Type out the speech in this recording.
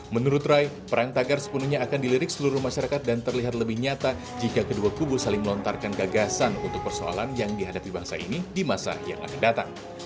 menurut ray perang tagar sepenuhnya akan dilirik seluruh masyarakat dan terlihat lebih nyata jika kedua kubu saling melontarkan gagasan untuk persoalan yang dihadapi bangsa ini di masa yang akan datang